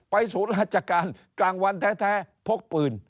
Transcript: ศูนย์ราชการกลางวันแท้พกปืน